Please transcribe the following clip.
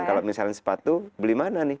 kalau misalnya sepatu beli mana nih